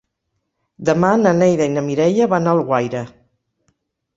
Demà na Neida i na Mireia van a Alguaire.